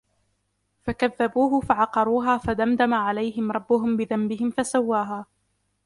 فكذبوه فعقروها فدمدم عليهم ربهم بذنبهم فسواها